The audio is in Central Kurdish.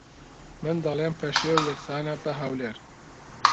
من دەڵێم پەشێو یەکسانە بە ھەولێر